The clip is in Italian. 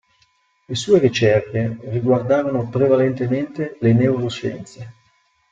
Le sue ricerche riguardarono prevalentemente le neuroscienze.